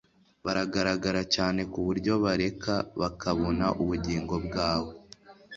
Baragaragara cyane kuburyo bareka bakabona ubugingo bwawe